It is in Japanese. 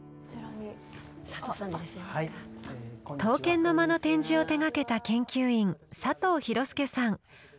刀剣の間の展示を手がけた研究員佐藤寛介さん。